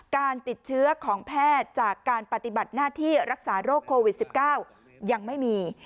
การติดเชื้อของแพทย์จากการปฏิบัติหน้าที่รักษาโรคโควิด๑๙ยังไม่มี